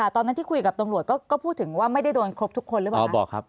ตอนนั้นที่คุยกับตำรวจก็พูดถึงว่าไม่ได้โดนครบทุกคนหรือเปล่า